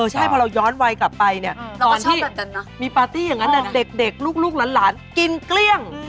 ใช่พอเราย้อนไวกลับไปเนี่ย